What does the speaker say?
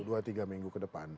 dua tiga minggu ke depan